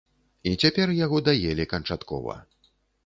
І цяпер яго даелі канчаткова.